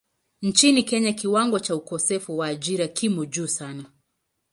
Nchini Kenya kiwango cha ukosefu wa ajira kimo juu sana.